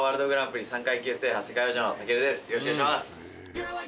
よろしくお願いします。